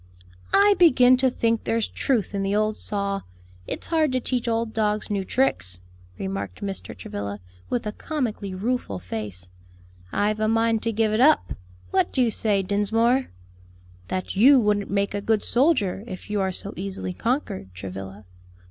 "I begin to think there's truth in the old saw, 'It's hard to teach old dogs new tricks,'" remarked Mr. Travilla, with a comically rueful face. "I've a mind to give it up. What do you say, Dinsmore?" "That you wouldn't make a good soldier, if you are so easily conquered, Travilla."